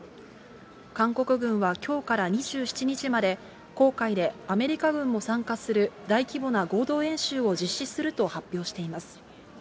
韓国軍は、きょうから２７日まで、黄海でアメリカ軍も参加する大規模な合同演習を実施すると発表しています。